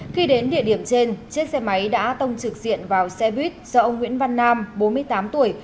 khi đến địa điểm trên chiếc xe máy đã tông trực diện vào xe buýt do ông nguyễn văn nam bốn mươi tám tuổi